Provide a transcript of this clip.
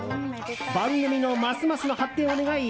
番組のますますの発展を願い